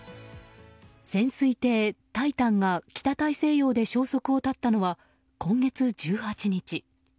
潜水艇「タイタン」が北大西洋で消息を絶ったのは今月１８日。